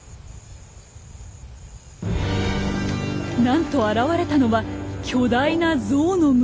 なんと現れたのは巨大なゾウの群れ。